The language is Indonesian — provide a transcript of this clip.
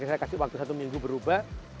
saya kasih waktu satu minggu berubah